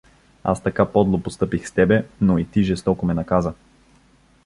Аз така подло постъпих с тебе, но и ти жестоко ме наказа.